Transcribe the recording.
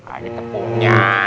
ah ini kepungnya